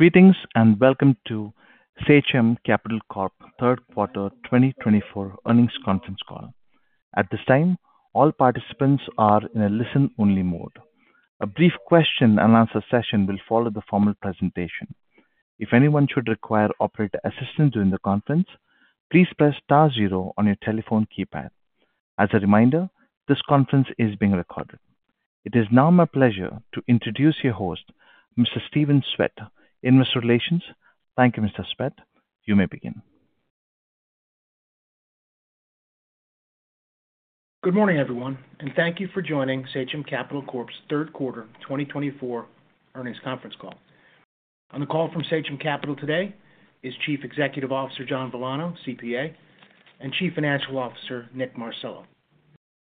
Greetings and welcome to Sachem Capital Corp Third Quarter 2024 Earnings Conference Call. At this time, all participants are in a listen-only mode. A brief question-and-answer session will follow the formal presentation. If anyone should require operator assistance during the conference, please press star zero on your telephone keypad. As a reminder, this conference is being recorded. It is now my pleasure to introduce your host, Mr. Stephen Swett, Investor Relations. Thank you, Mr. Swett. You may begin. Good morning, everyone, and thank you for joining Sachem Capital Corp's Third Quarter 2024 Earnings Conference Call. On the call from Sachem Capital today is Chief Executive Officer John Villano, CPA, and Chief Financial Officer, Nick Marcello.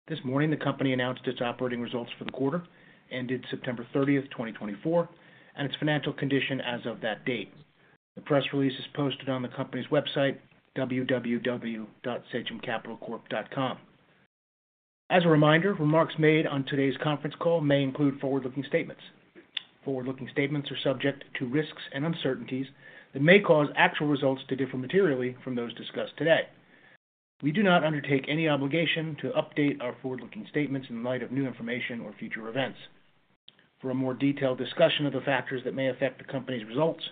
This morning, the company announced its operating results for the quarter, ended September 30, 2024, and its financial condition as of that date. The press release is posted on the company's website, www.sachemcapitalcorp.com. As a reminder, remarks made on today's conference call may include forward-looking statements. Forward-looking statements are subject to risks and uncertainties that may cause actual results to differ materially from those discussed today. We do not undertake any obligation to update our forward-looking statements in light of new information or future events. For a more detailed discussion of the factors that may affect the company's results,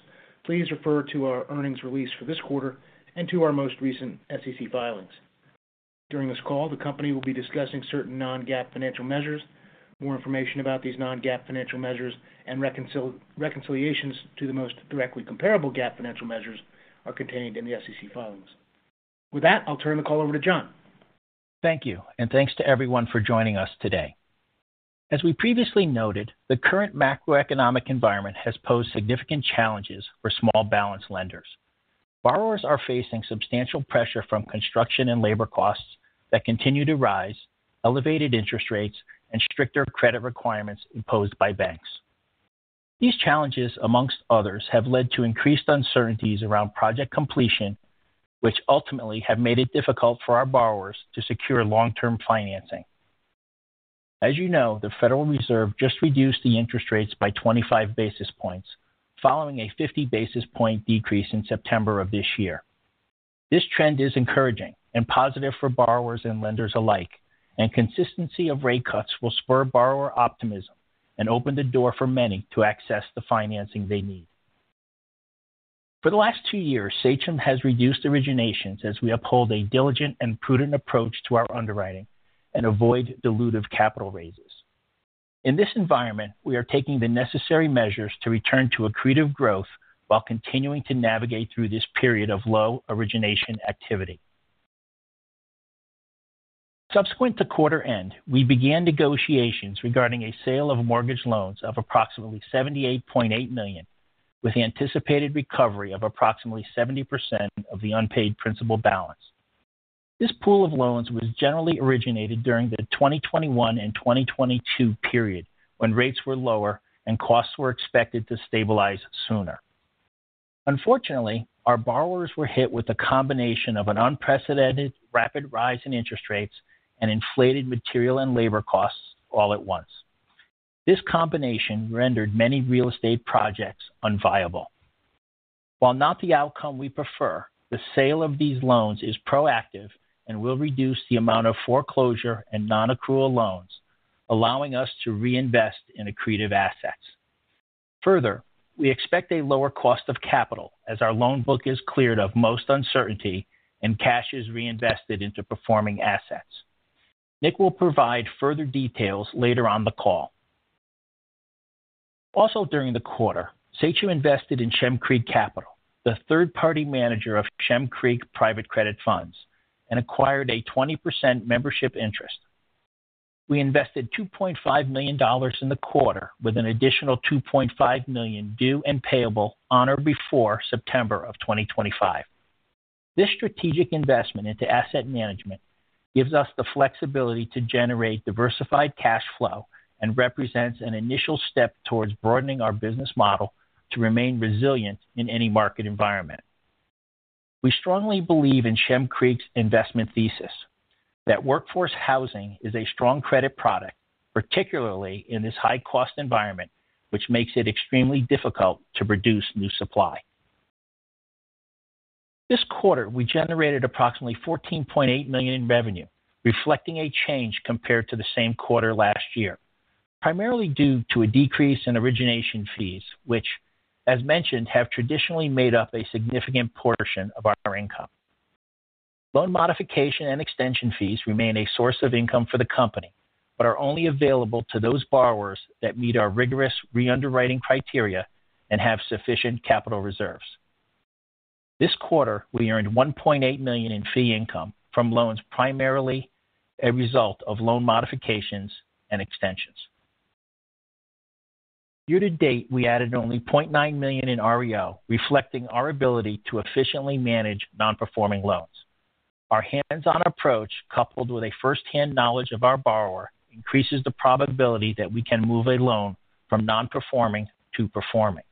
please refer to our earnings release for this quarter and to our most recent SEC filings. During this call, the company will be discussing certain non-GAAP financial measures. More information about these non-GAAP financial measures and reconciliations to the most directly comparable GAAP financial measures are contained in the SEC filings. With that, I'll turn the call over to John. Thank you, and thanks to everyone for joining us today. As we previously noted, the current macroeconomic environment has posed significant challenges for small balance lenders. Borrowers are facing substantial pressure from construction and labor costs that continue to rise, elevated interest rates, and stricter credit requirements imposed by banks. These challenges, among others, have led to increased uncertainties around project completion, which ultimately have made it difficult for our borrowers to secure long-term financing. As you know, the Federal Reserve just reduced the interest rates by 25 basis points, following a 50 basis point decrease in September of this year. This trend is encouraging and positive for borrowers and lenders alike, and consistency of rate cuts will spur borrower optimism and open the door for many to access the financing they need. For the last two years, Sachem has reduced originations as we uphold a diligent and prudent approach to our underwriting and avoid dilutive capital raises. In this environment, we are taking the necessary measures to return to accretive growth while continuing to navigate through this period of low origination activity. Subsequent to quarter end, we began negotiations regarding a sale of mortgage loans of approximately $78.8 million, with anticipated recovery of approximately 70% of the unpaid principal balance. This pool of loans was generally originated during the 2021 and 2022 period when rates were lower and costs were expected to stabilize sooner. Unfortunately, our borrowers were hit with a combination of an unprecedented rapid rise in interest rates and inflated material and labor costs all at once. This combination rendered many real estate projects unviable. While not the outcome we prefer, the sale of these loans is proactive and will reduce the amount of foreclosure and non-accrual loans, allowing us to reinvest in accretive assets. Further, we expect a lower cost of capital as our loan book is cleared of most uncertainty and cash is reinvested into performing assets. Nick will provide further details later on the call. Also during the quarter, Sachem invested in Shem Creek Capital, the third-party manager of Shem Creek Private Credit Funds, and acquired a 20% membership interest. We invested $2.5 million in the quarter with an additional $2.5 million due and payable on or before September of 2025. This strategic investment into asset management gives us the flexibility to generate diversified cash flow and represents an initial step towards broadening our business model to remain resilient in any market environment. We strongly believe in Shem Creek's investment thesis that workforce housing is a strong credit product, particularly in this high-cost environment, which makes it extremely difficult to produce new supply. This quarter, we generated approximately $14.8 million in revenue, reflecting a change compared to the same quarter last year, primarily due to a decrease in origination fees, which, as mentioned, have traditionally made up a significant portion of our income. Loan modification and extension fees remain a source of income for the company but are only available to those borrowers that meet our rigorous re-underwriting criteria and have sufficient capital reserves. This quarter, we earned $1.8 million in fee income from loans, primarily a result of loan modifications and extensions. Year-to-date, we added only $0.9 million in REO, reflecting our ability to efficiently manage non-performing loans. Our hands-on approach, coupled with a firsthand knowledge of our borrower, increases the probability that we can move a loan from non-performing to performing.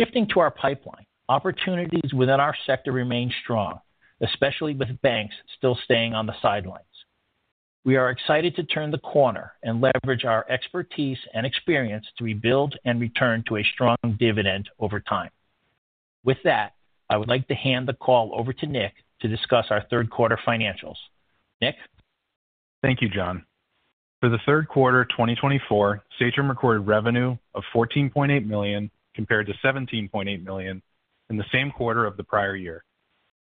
Shifting to our pipeline, opportunities within our sector remain strong, especially with banks still staying on the sidelines. We are excited to turn the corner and leverage our expertise and experience to rebuild and return to a strong dividend over time. With that, I would like to hand the call over to Nick to discuss our Q3 financials. Nick? Thank you, John. For the Q3 2024, Sachem recorded revenue of $14.8 million compared to $17.8 million in the same quarter of the prior year.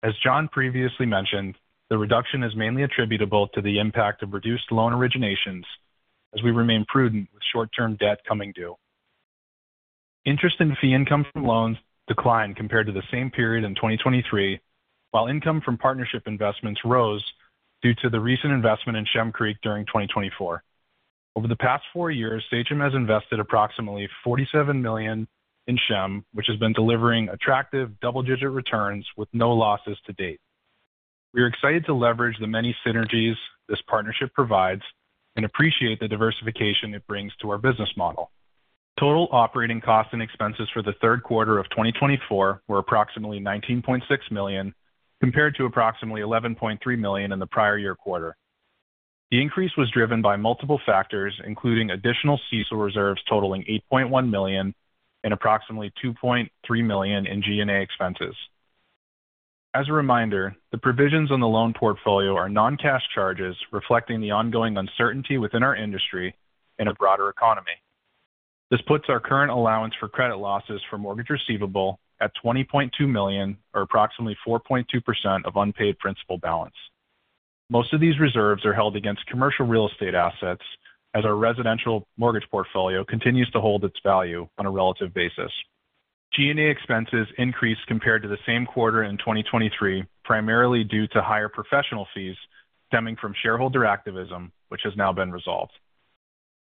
As John previously mentioned, the reduction is mainly attributable to the impact of reduced loan originations as we remain prudent with short-term debt coming due. Interest and fee income from loans declined compared to the same period in 2023, while income from partnership investments rose due to the recent investment in Shem Creek during 2024. Over the past four years, Sachem has invested approximately $47 million in Shem Creek, which has been delivering attractive double-digit returns with no losses to date. We are excited to leverage the many synergies this partnership provides and appreciate the diversification it brings to our business model. Total operating costs and expenses for the Q3 of 2024 were approximately $19.6 million compared to approximately $11.3 million in the prior year quarter. The increase was driven by multiple factors, including additional CECL reserves totaling $8.1 million and approximately $2.3 million in G&A expenses. As a reminder, the provisions on the loan portfolio are non-cash charges, reflecting the ongoing uncertainty within our industry and a broader economy. This puts our current allowance for credit losses for mortgage receivable at $20.2 million, or approximately 4.2% of unpaid principal balance. Most of these reserves are held against commercial real estate assets, as our residential mortgage portfolio continues to hold its value on a relative basis. G&A expenses increased compared to the same quarter in 2023, primarily due to higher professional fees stemming from shareholder activism, which has now been resolved.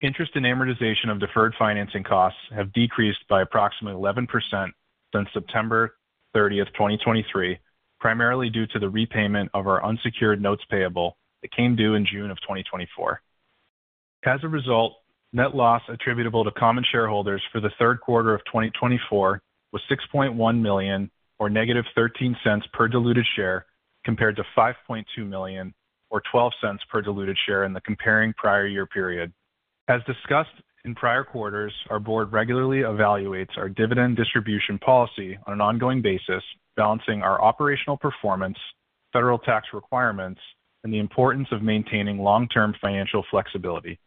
Interest and amortization of deferred financing costs have decreased by approximately 11% since September 30, 2023, primarily due to the repayment of our unsecured notes payable that came due in June of 2024. As a result, net loss attributable to common shareholders for the Q3 of 2024 was $6.1 million, or negative $0.13 per diluted share, compared to $5.2 million, or $0.12 per diluted share in the comparable prior year period. As discussed in prior quarters, our board regularly evaluates our dividend distribution policy on an ongoing basis, balancing our operational performance, federal tax requirements, and the importance of maintaining long-term financial flexibility.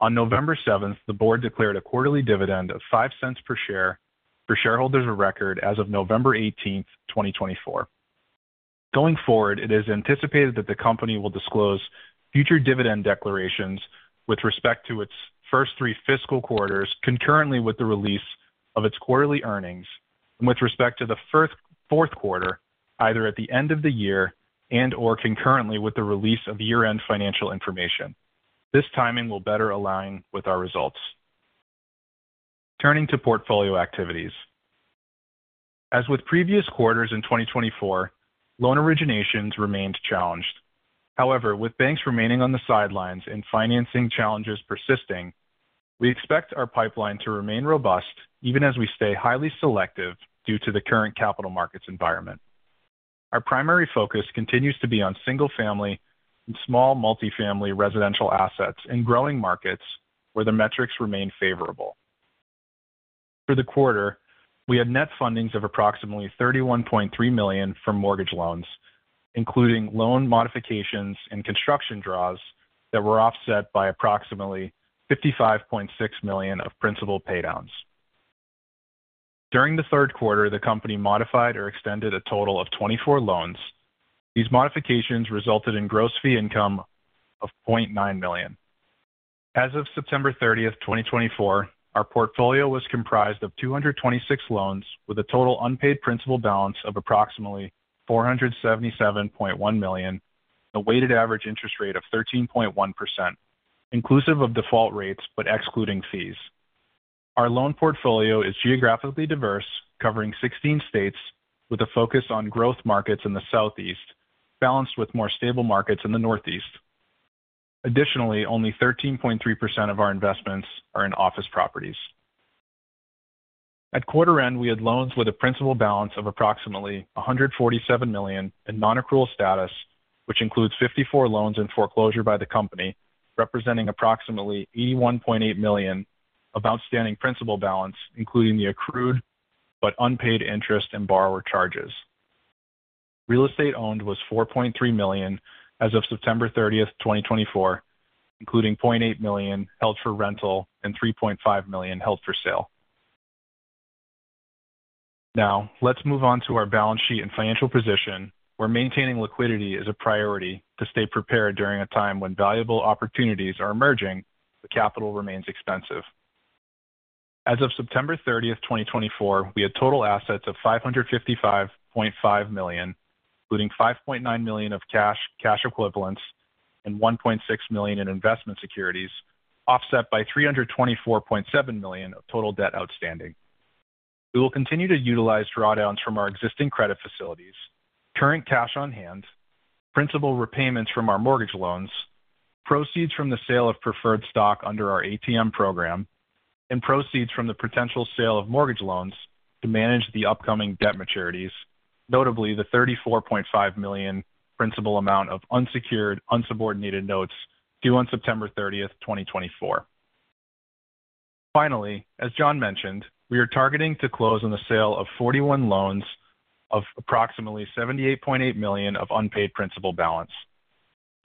On November 7, the board declared a quarterly dividend of $0.05 per share for shareholders of record as of November 18, 2024. Going forward, it is anticipated that the company will disclose future dividend declarations with respect to its first three fiscal quarters concurrently with the release of its quarterly earnings and with respect to the Q4, either at the end of the year and/or concurrently with the release of year-end financial information. This timing will better align with our results. Turning to portfolio activities. As with previous quarters in 2024, loan originations remained challenged. However, with banks remaining on the sidelines and financing challenges persisting, we expect our pipeline to remain robust even as we stay highly selective due to the current capital markets environment. Our primary focus continues to be on single-family and small multifamily residential assets in growing markets where the metrics remain favorable. For the quarter, we had net fundings of approximately $31.3 million from mortgage loans, including loan modifications and construction draws that were offset by approximately $55.6 million of principal paydowns. During the Q3, the company modified or extended a total of 24 loans. These modifications resulted in gross fee income of $0.9 million. As of September 30, 2024, our portfolio was comprised of 226 loans with a total unpaid principal balance of approximately $477.1 million and a weighted average interest rate of 13.1%, inclusive of default rates but excluding fees. Our loan portfolio is geographically diverse, covering 16 states with a focus on growth markets in the Southeast, balanced with more stable markets in the Northeast. Additionally, only 13.3% of our investments are in office properties. At quarter end, we had loans with a principal balance of approximately $147 million in non-accrual status, which includes 54 loans in foreclosure by the company, representing approximately $81.8 million of outstanding principal balance, including the accrued but unpaid interest and borrower charges. Real estate owned was $4.3 million as of September 30, 2024, including $0.8 million held for rental and $3.5 million held for sale. Now, let's move on to our balance sheet and financial position, where maintaining liquidity is a priority to stay prepared during a time when valuable opportunities are emerging but capital remains expensive. As of September 30, 2024, we had total assets of $555.5 million, including $5.9 million of cash equivalents and $1.6 million in investment securities, offset by $324.7 million of total debt outstanding. We will continue to utilize drawdowns from our existing credit facilities, current cash on hand, principal repayments from our mortgage loans, proceeds from the sale of preferred stock under our ATM program, and proceeds from the potential sale of mortgage loans to manage the upcoming debt maturities, notably the $34.5 million principal amount of unsecured, unsubordinated notes due on September 30, 2024. Finally, as John mentioned, we are targeting to close on the sale of 41 loans of approximately $78.8 million of unpaid principal balance.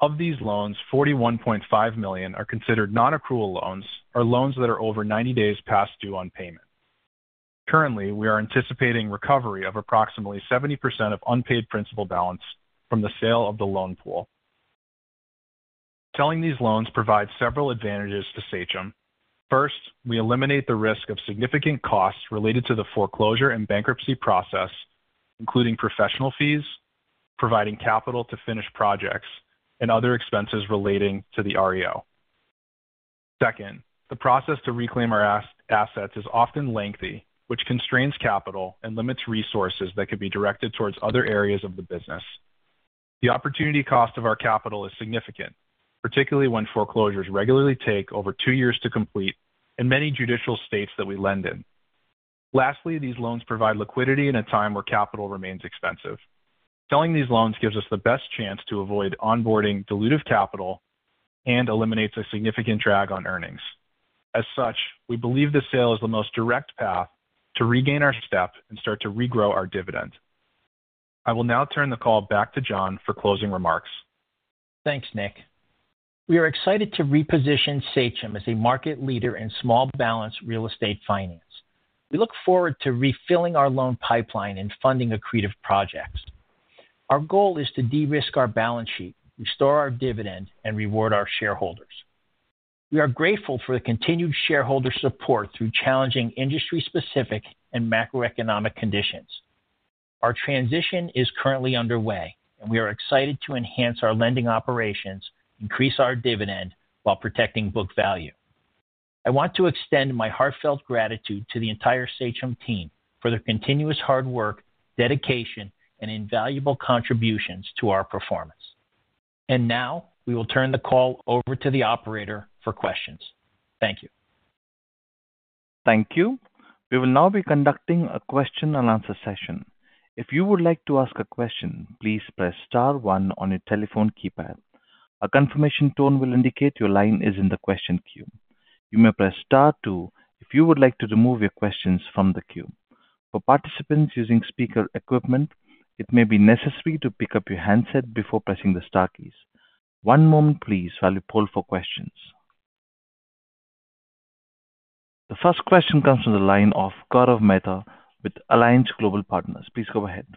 Of these loans, $41.5 million are considered non-accrual loans or loans that are over 90 days past due on payment. Currently, we are anticipating recovery of approximately 70% of unpaid principal balance from the sale of the loan pool. Selling these loans provides several advantages to Sachem Capital. First, we eliminate the risk of significant costs related to the foreclosure and bankruptcy process, including professional fees, providing capital to finish projects, and other expenses relating to the REO. Second, the process to reclaim our assets is often lengthy, which constrains capital and limits resources that could be directed towards other areas of the business. The opportunity cost of our capital is significant, particularly when foreclosures regularly take over two years to complete in many judicial states that we lend in. Lastly, these loans provide liquidity in a time where capital remains expensive. Selling these loans gives us the best chance to avoid onboarding dilutive capital and eliminates a significant drag on earnings. As such, we believe the sale is the most direct path to regain our step and start to regrow our dividend. I will now turn the call back to John for closing remarks. Thanks, Nick. We are excited to reposition Sachem Capital as a market leader in small balance real estate finance. We look forward to refilling our loan pipeline and funding accretive projects. Our goal is to de-risk our balance sheet, restore our dividend, and reward our shareholders. We are grateful for the continued shareholder support through challenging industry-specific and macroeconomic conditions. Our transition is currently underway, and we are excited to enhance our lending operations, increase our dividend, while protecting book value. I want to extend my heartfelt gratitude to the entire Sachem Capital team for their continuous hard work, dedication, and invaluable contributions to our performance. And now, we will turn the call over to the operator for questions. Thank you. Thank you. We will now be conducting a question-and-answer session. If you would like to ask a question, please press star one on your telephone keypad. A confirmation tone will indicate your line is in the question queue. You may press star two if you would like to remove your questions from the queue. For participants using speaker equipment, it may be necessary to pick up your handset before pressing the star keys. One moment, please, while we poll for questions. The first question comes from the line of Gaurav Mehta with Alliance Global Partners. Please go ahead.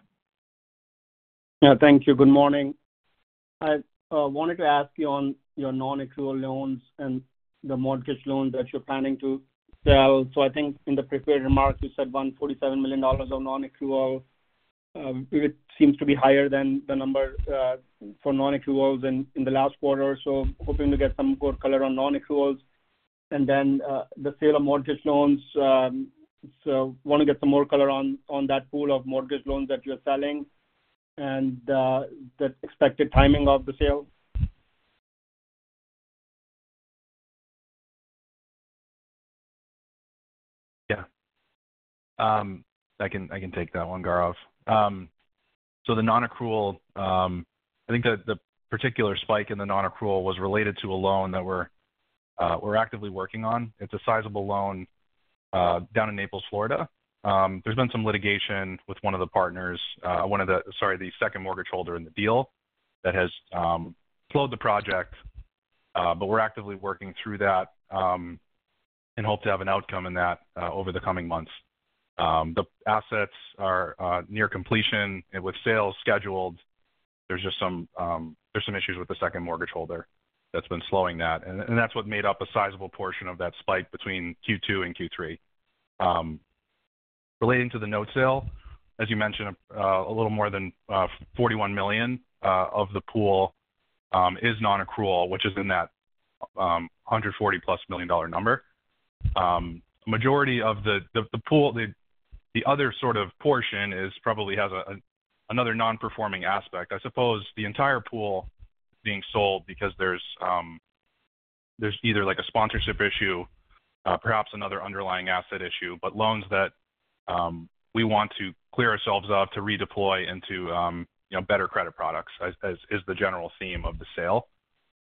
Yeah, thank you. Good morning. I wanted to ask you on your non-accrual loans and the mortgage loans that you're planning to sell. So I think in the prepared remarks, you said $147 million of non-accrual. It seems to be higher than the number for non-accruals in the last quarter, so hoping to get some more color on non-accruals. And then the sale of mortgage loans, so want to get some more color on that pool of mortgage loans that you're selling and the expected timing of the sale. Yeah. I can take that one, Gaurav. So the non-accrual, I think the particular spike in the non-accrual was related to a loan that we're actively working on. It's a sizable loan down in Naples, Florida. There's been some litigation with one of the partners, sorry, the second mortgage holder in the deal that has slowed the project, but we're actively working through that and hope to have an outcome in that over the coming months. The assets are near completion, and with sales scheduled, there's just some issues with the second mortgage holder that's been slowing that. And that's what made up a sizable portion of that spike between Q2 and Q3. Relating to the note sale, as you mentioned, a little more than $41 million of the pool is non-accrual, which is in that $140-plus million number. The majority of the pool, the other sort of portion probably has another non-performing aspect. I suppose the entire pool is being sold because there's either a sponsorship issue, perhaps another underlying asset issue, but loans that we want to clear ourselves of to redeploy into better credit products is the general theme of the sale.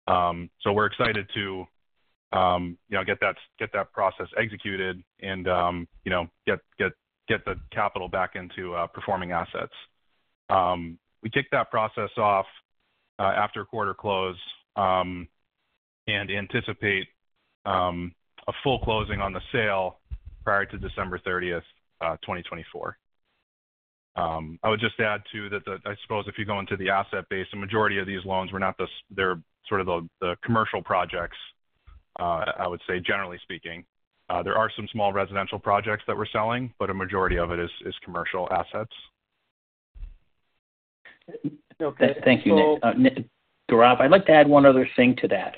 So we're excited to get that process executed and get the capital back into performing assets. We kick that process off after quarter close and anticipate a full closing on the sale prior to December 30, 2024. I would just add too that I suppose if you go into the asset base, the majority of these loans were not sort of the commercial projects, I would say, generally speaking. There are some small residential projects that we're selling, but a majority of it is commercial assets. Thank you, Nick. Gaurav, I'd like to add one other thing to that,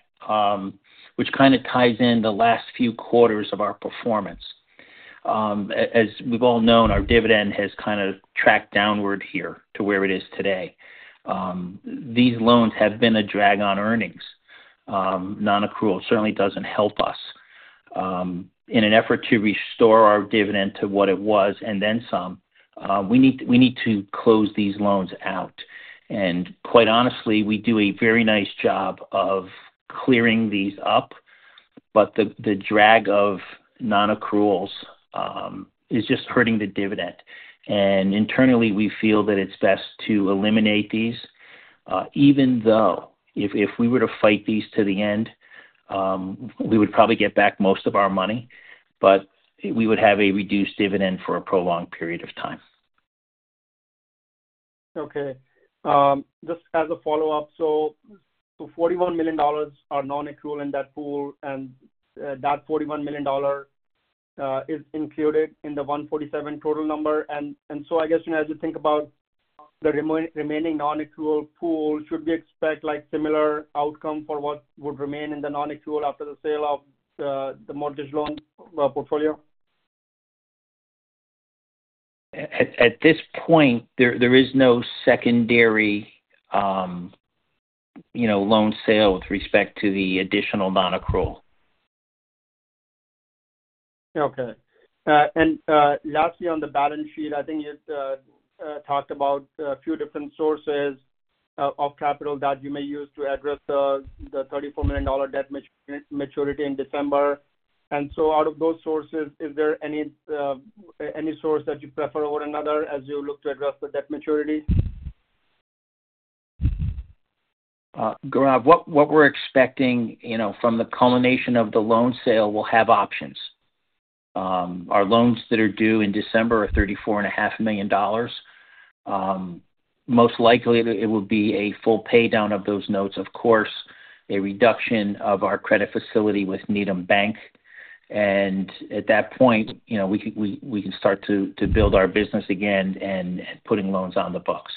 which kind of ties in the last few quarters of our performance. As we've all known, our dividend has kind of tracked downward here to where it is today. These loans have been a drag on earnings. Non-accrual certainly doesn't help us. In an effort to restore our dividend to what it was and then some, we need to close these loans out. And quite honestly, we do a very nice job of clearing these up, but the drag of non-accruals is just hurting the dividend. And internally, we feel that it's best to eliminate these, even though if we were to fight these to the end, we would probably get back most of our money, but we would have a reduced dividend for a prolonged period of time. Okay. Just as a follow-up, so $41 million are non-accrual in that pool, and that $41 million is included in the $147 total number. And so I guess as you think about the remaining non-accrual pool, should we expect similar outcome for what would remain in the non-accrual after the sale of the mortgage loan portfolio? At this point, there is no secondary loan sale with respect to the additional non-accrual. Okay. And lastly, on the balance sheet, I think you talked about a few different sources of capital that you may use to address the $34 million debt maturity in December. And so out of those sources, is there any source that you prefer over another as you look to address the debt maturity? Gaurav, what we're expecting from the culmination of the loan sale, we'll have options. Our loans that are due in December are $34.5 million. Most likely, it will be a full paydown of those notes, of course, a reduction of our credit facility with Needham Bank, and at that point, we can start to build our business again and putting loans on the books.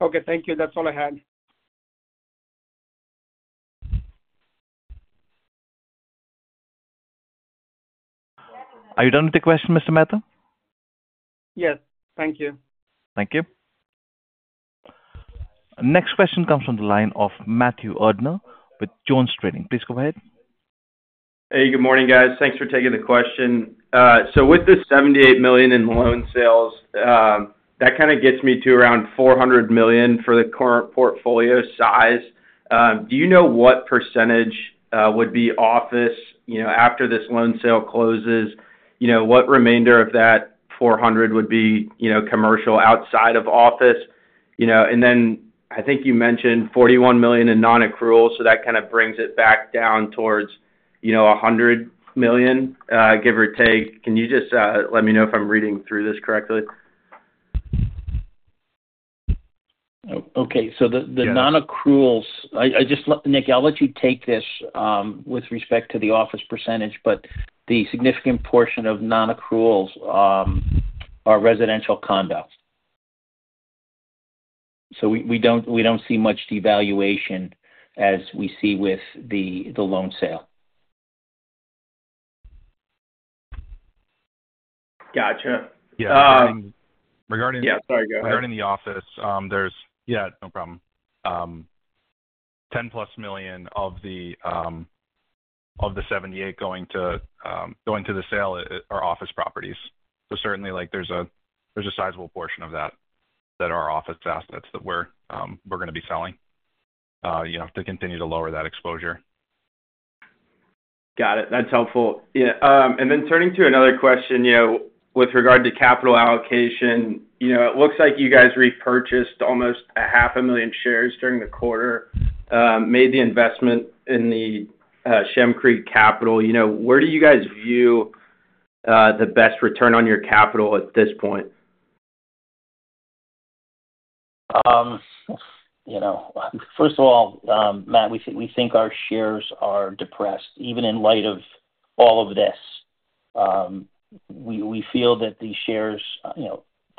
Okay. Thank you. That's all I had. Are you done with the question, Mr. Mehta? Yes. Thank you. Thank you. Next question comes from the line of Matthew Erdner with JonesTrading. Please go ahead. Hey, good morning, guys. Thanks for taking the question. So with the $78 million in loan sales, that kind of gets me to around $400 million for the current portfolio size. Do you know what percentage would be office after this loan sale closes? What remainder of that $400 million would be commercial outside of office? And then I think you mentioned $41 million in non-accrual, so that kind of brings it back down towards $100 million, give or take. Can you just let me know if I'm reading through this correctly? Okay, so the non-accruals, Nick, I'll let you take this with respect to the office percentage, but the significant portion of non-accruals are residential condos, so we don't see much devaluation as we see with the loan sale. Gotcha. Yeah. Regarding the office. Yeah, no problem. $10-plus million of the $78 million going to the sale are office properties. So certainly, there's a sizable portion of that that are office assets that we're going to be selling to continue to lower that exposure. Got it. That's helpful. And then turning to another question with regard to capital allocation, it looks like you guys repurchased almost 500,000 shares during the quarter, made the investment in the Shem Creek Capital. Where do you guys view the best return on your capital at this point? First of all, Matt, we think our shares are depressed even in light of all of this. We feel that these shares,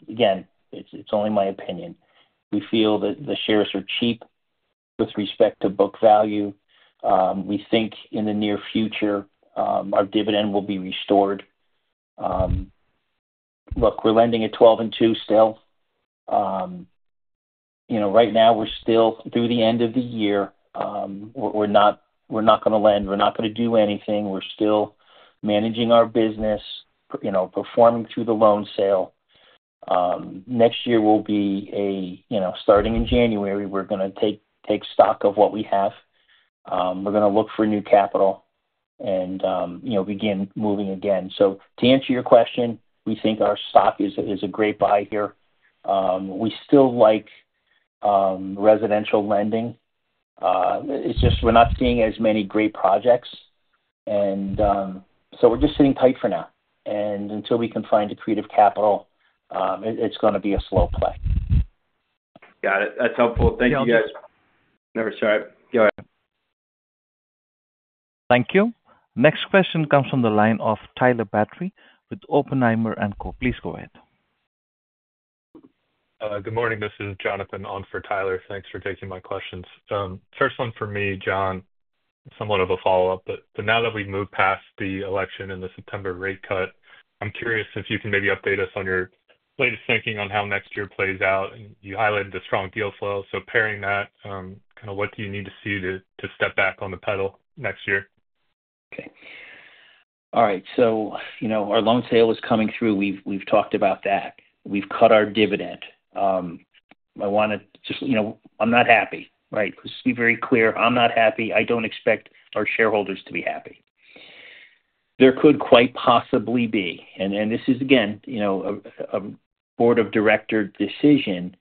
again, it's only my opinion, we feel that the shares are cheap with respect to book value. We think in the near future, our dividend will be restored. Look, we're lending at 12 and 2 still. Right now, we're still through the end of the year. We're not going to lend. We're not going to do anything. We're still managing our business, performing through the loan sale. Next year will be starting in January, we're going to take stock of what we have. We're going to look for new capital and begin moving again. So to answer your question, we think our stock is a great buy here. We still like residential lending. It's just we're not seeing as many great projects. And so we're just sitting tight for now. Until we can find accretive capital, it's going to be a slow play. Got it. That's helpful. Thank you, guys. No, sorry. Go ahead. Thank you. Next question comes from the line of Tyler Batory with Oppenheimer & Co. Please go ahead. Good morning. This is Jonathan on for Tyler. Thanks for taking my questions. First one for me, John, somewhat of a follow-up. But now that we've moved past the election and the September rate cut, I'm curious if you can maybe update us on your latest thinking on how next year plays out. And you highlighted a strong deal flow. So pairing that, kind of what do you need to see to step back on the pedal next year? Okay. All right. So our loan sale is coming through. We've talked about that. We've cut our dividend. I want to just, I'm not happy, right? Let's be very clear. I'm not happy. I don't expect our shareholders to be happy. There could quite possibly be, and this is, again, a board of director decision,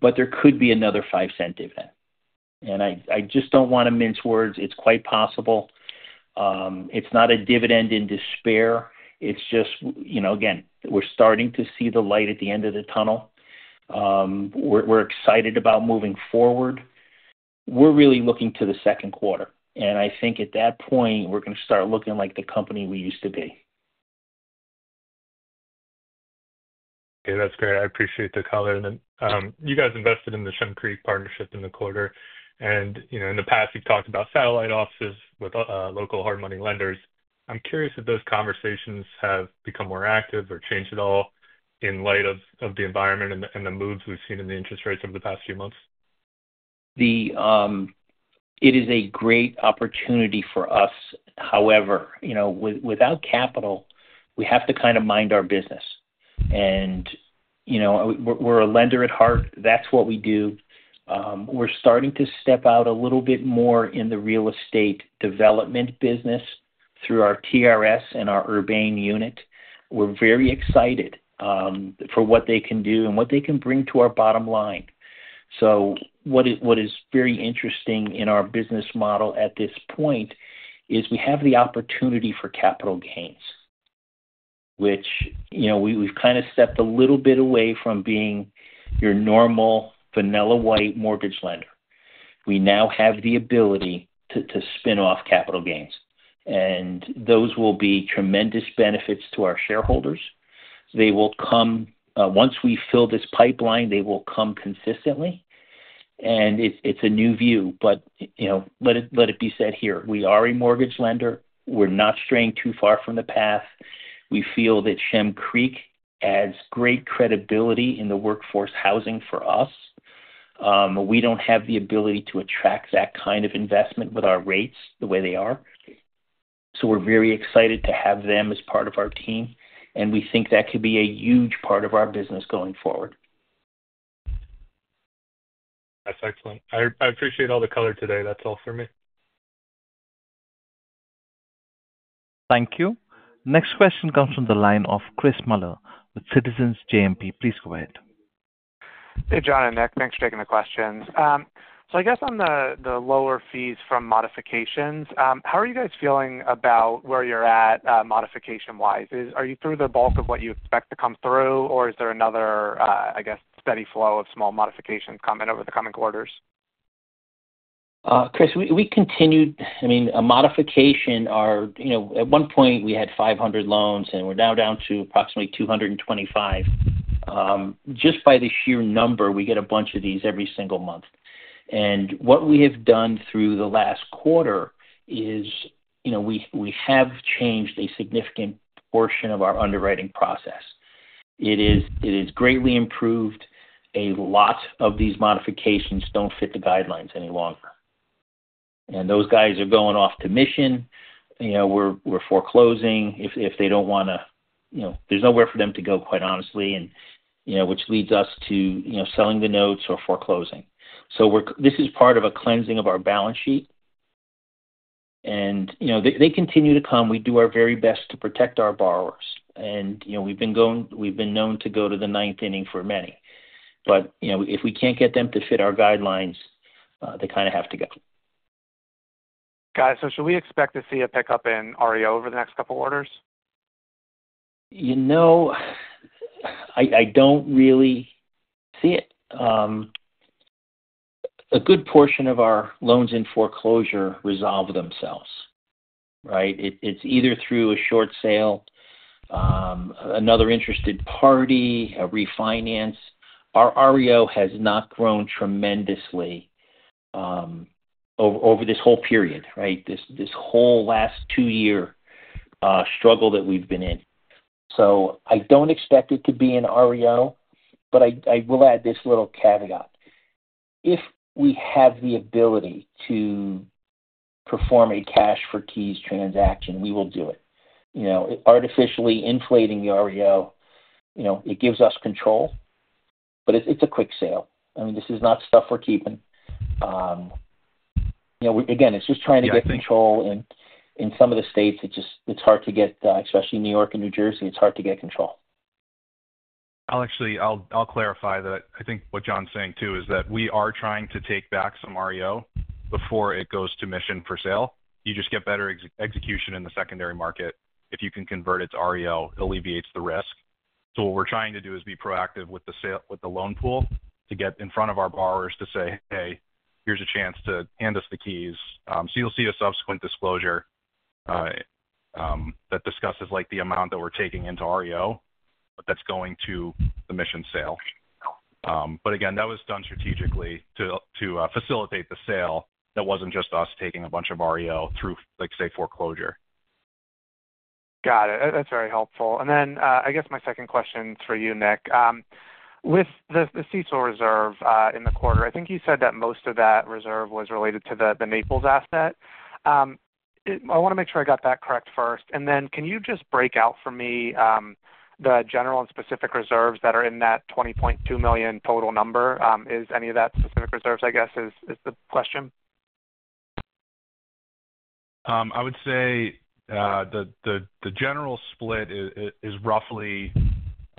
but there could be another $0.05 dividend. And I just don't want to mince words. It's quite possible. It's not a dividend in despair. It's just, again, we're starting to see the light at the end of the tunnel. We're excited about moving forward. We're really looking to the Q2. And I think at that point, we're going to start looking like the company we used to be. Okay. That's great. I appreciate the color. And then you guys invested in the Shem Creek Partnership in the quarter. And in the past, you've talked about satellite offices with local hard-money lenders. I'm curious if those conversations have become more active or changed at all in light of the environment and the moves we've seen in the interest rates over the past few months. It is a great opportunity for us. However, without capital, we have to kind of mind our business, and we're a lender at heart. That's what we do. We're starting to step out a little bit more in the real estate development business through our TRS and our Urbane unit. We're very excited for what they can do and what they can bring to our bottom line, so what is very interesting in our business model at this point is we have the opportunity for capital gains, which we've kind of stepped a little bit away from being your normal vanilla white mortgage lender. We now have the ability to spin off capital gains, and those will be tremendous benefits to our shareholders. Once we fill this pipeline, they will come consistently, and it's a new view, but let it be said here, we are a mortgage lender. We're not straying too far from the path. We feel that Shem Creek adds great credibility in the workforce housing for us. We don't have the ability to attract that kind of investment with our rates the way they are. So we're very excited to have them as part of our team. And we think that could be a huge part of our business going forward. That's excellent. I appreciate all the color today. That's all for me. Thank you. Next question comes from the line of Chris Muller with Citizens JMP. Please go ahead. Hey, John and Nick. Thanks for taking the questions, so I guess on the lower fees from modifications, how are you guys feeling about where you're at modification-wise? Are you through the bulk of what you expect to come through, or is there another, I guess, steady flow of small modifications coming over the coming quarters? Chris, we continued, I mean, a modification, at one point, we had 500 loans, and we're now down to approximately 225. Just by the sheer number, we get a bunch of these every single month. And what we have done through the last quarter is we have changed a significant portion of our underwriting process. It is greatly improved. A lot of these modifications don't fit the guidelines any longer. And those guys are going off to non-accrual. We're foreclosing. If they don't want to, there's nowhere for them to go, quite honestly, which leads us to selling the notes or foreclosing. So this is part of a cleansing of our balance sheet. And they continue to come. We do our very best to protect our borrowers. And we've been known to go to the ninth inning for many. But if we can't get them to fit our guidelines, they kind of have to go. Got it. So should we expect to see a pickup in REO over the next couple of quarters? I don't really see it. A good portion of our loans in foreclosure resolve themselves, right? It's either through a short sale, another interested party, a refinance. Our REO has not grown tremendously over this whole period, right? This whole last two-year struggle that we've been in. So I don't expect it to be in REO, but I will add this little caveat. If we have the ability to perform a cash-for-keys transaction, we will do it. Artificially inflating the REO, it gives us control, but it's a quick sale. I mean, this is not stuff we're keeping. Again, it's just trying to get control, and in some of the states, it's hard to get, especially New York and New Jersey, it's hard to get control. I'll clarify that. I think what John's saying too is that we are trying to take back some REO before it goes to auction for sale. You just get better execution in the secondary market. If you can convert it to REO, it alleviates the risk. So what we're trying to do is be proactive with the loan pool to get in front of our borrowers to say, "Hey, here's a chance to hand us the keys." So you'll see a subsequent disclosure that discusses the amount that we're taking into REO, but that's going to the auction sale. But again, that was done strategically to facilitate the sale. That wasn't just us taking a bunch of REO through, say, foreclosure. Got it. That's very helpful. And then I guess my second question for you, Nick, with the CECL reserve in the quarter, I think you said that most of that reserve was related to the Naples asset. I want to make sure I got that correct first. And then can you just break out for me the general and specific reserves that are in that $20.2 million total number? Is any of that specific reserves, I guess, is the question? I would say the general split is roughly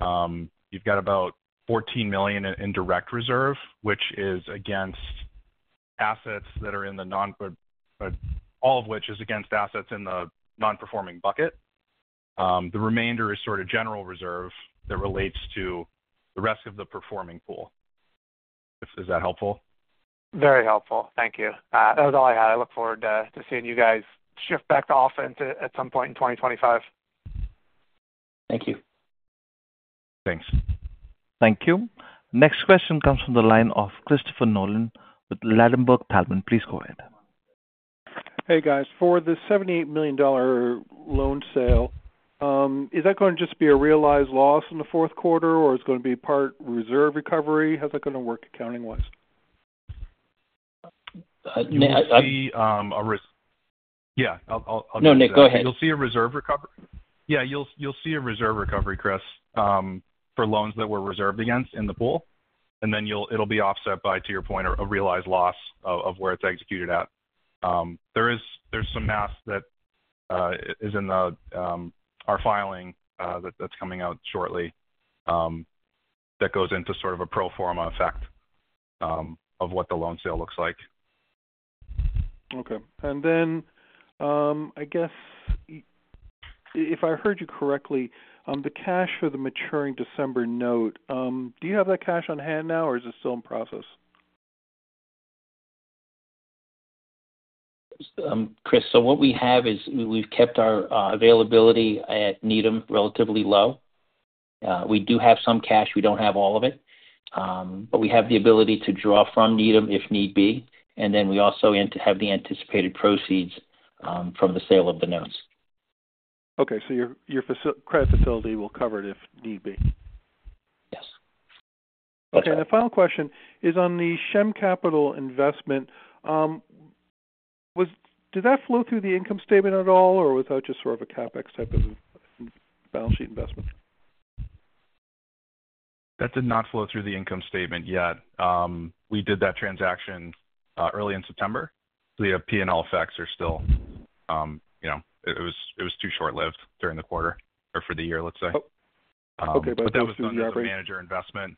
you've got about $14 million in direct reserve, which is against assets that are in the non-performing bucket, all of which is against assets in the non-performing bucket. The remainder is sort of general reserve that relates to the rest of the performing pool. Is that helpful? Very helpful. Thank you. That was all I had. I look forward to seeing you guys shift back to offense at some point in 2025. Thank you. Thanks. Thank you. Next question comes from the line of Christopher Nolan with Ladenburg Thalmann. Please go ahead. Hey, guys. For the $78 million loan sale, is that going to just be a realized loss in the Q4, or is it going to be part reserve recovery? How's that going to work accounting-wise? You'll see a. Yeah. I'll just. No, Nick. Go ahead. You'll see a reserve recovery. Yeah. You'll see a reserve recovery, Chris, for loans that were reserved against in the pool. And then it'll be offset by, to your point, a realized loss of where it's executed at. There's some math that is in our filing that's coming out shortly that goes into sort of a pro forma effect of what the loan sale looks like. Okay. And then I guess, if I heard you correctly, the cash for the maturing December note, do you have that cash on hand now, or is it still in process? Chris, so what we have is we've kept our availability at Needham relatively low. We do have some cash. We don't have all of it. But we have the ability to draw from Needham if need be. And then we also have the anticipated proceeds from the sale of the notes. Okay, so your credit facility will cover it if need be. Yes. Okay. And the final question is on the Shem Creek Capital investment. Did that flow through the income statement at all, or was that just sort of a CapEx type of balance sheet investment? That did not flow through the income statement yet. We did that transaction early in September. The P&L effects are still. It was too short-lived during the quarter or for the year, let's say. Okay. But that was. But that was a third-party manager investment.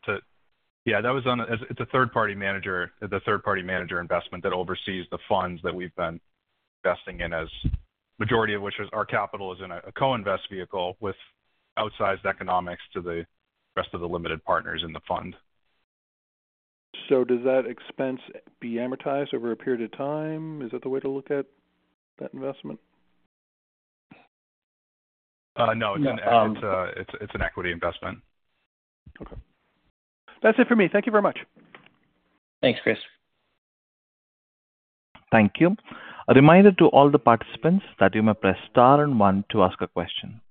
Yeah. It's a third-party manager investment that oversees the funds that we've been investing in, the majority of which our capital is in a co-invest vehicle with outsized economics to the rest of the limited partners in the fund. So does that expense be amortized over a period of time? Is that the way to look at that investment? No. It's an equity investment. Okay. That's it for me. Thank you very much. Thanks, Chris. Thank you. A reminder to all the participants that you may press star and one to ask a question.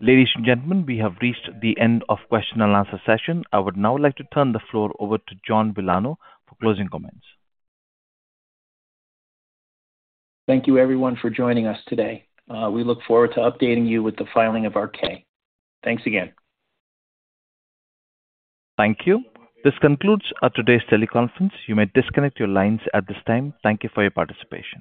Ladies and gentlemen, we have reached the end of the question and answer session. I would now like to turn the floor over to John Villano for closing comments. Thank you, everyone, for joining us today. We look forward to updating you with the filing of our K. Thanks again. Thank you. This concludes today's teleconference. You may disconnect your lines at this time. Thank you for your participation.